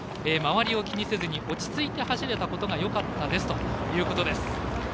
回りを気にせずに落ち着いて走れたことがよかったですということです。